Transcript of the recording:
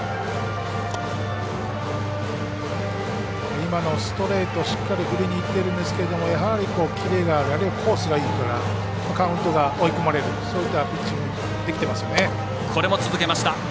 今のストレート、しっかり振りにいってるんですけどやはりキレがあるあるいはコースがいいからカウントが追い込まれるそういったピッチングできてますよね。